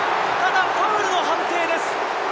だがファウルの判定です。